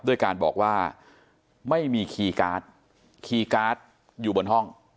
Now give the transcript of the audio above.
ด้วยการบอกว่าไม่มีคีย์การ์ดคีย์การ์ดอยู่บนห้อง